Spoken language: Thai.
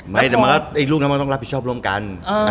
ไม่แต่มันลูกนั้นมันต้องรับผิดชอบร่วมกัน